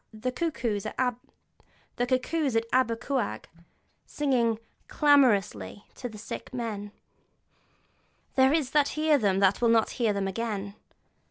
The cuckoos at Aber Cuawg, singing 'clamorously' to the sick man: 'there are that hear them that will not hear them again!'